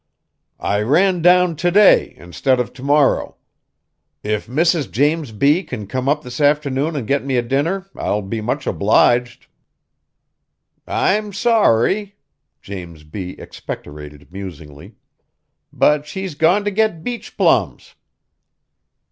"I ran down to day, instead of to morrow. If Mrs. James B. can come up this afternoon and get me a dinner, I'll be much obliged." "I'm sorry," James B. expectorated musingly, "but she's gone t' get beach plums."